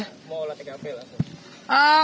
mau latih latih langsung